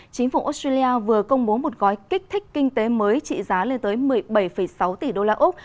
chính phủ australia vừa công bố một gói kích thích kinh tế mới trị giá lên tới một mươi bảy sáu tỷ đô la úc